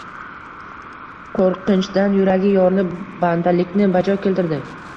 Qo‘rqinchdan yuragi yorilib bandalikni bajo keltirdi